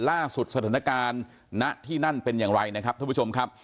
สถานการณ์ณที่นั่นเป็นอย่างไรนะครับท่านผู้ชมครับ